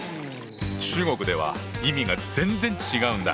中国では意味が全然違うんだ。